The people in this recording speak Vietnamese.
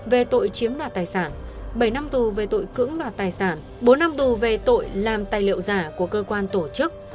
về tội chiếm đoạt tài sản bảy năm tù về tội cưỡng đoạt tài sản bốn năm tù về tội làm tài liệu giả của cơ quan tổ chức